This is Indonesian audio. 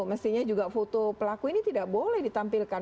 mestinya juga foto pelaku ini tidak boleh ditampilkan